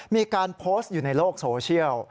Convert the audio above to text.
มีการโพสต์อยู่ในโลกโซเชียล